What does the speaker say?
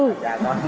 dạ con chào chú tư